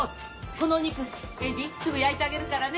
この肉エディすぐ焼いてあげるからね。